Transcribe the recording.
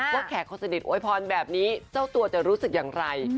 แขกคนสนิทโวยพรแบบนี้เจ้าตัวจะรู้สึกอย่างไร